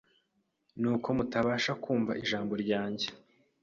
Ni uko mutabasha kumva ijambo ryanjye.